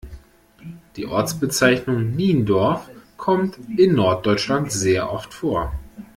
Die Ortsbezeichnung Niendorf kommt in Norddeutschland sehr oft vor.